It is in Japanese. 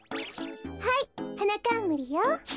はいはなかんむりよ。